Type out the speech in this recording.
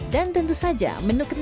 dan tentu saja menu kentang